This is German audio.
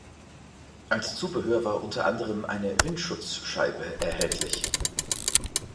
Als Zubehör war unter anderem eine Windschutzscheibe erhältlich.